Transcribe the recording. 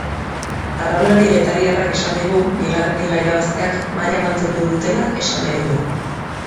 Arraunlari getariarrak esan digu bigarren liga irabazteak maila mantendu dutela esan nahi duela.